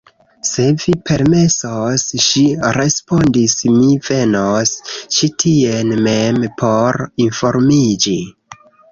Se vi permesos, ŝi respondis, mi venos ĉi tien mem, por informiĝi.